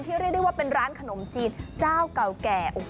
เรียกได้ว่าเป็นร้านขนมจีนเจ้าเก่าแก่